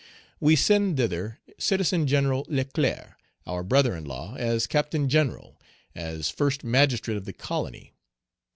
We send thither Citizen General Leclerc, our brother in law, as Captain General, as First Magistrate of the colony.